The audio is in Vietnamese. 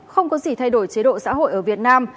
không có gì thay đổi chế độ xã hội ở việt nam